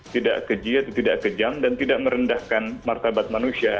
tidak kejiat tidak kejam dan tidak merendahkan martabat manusia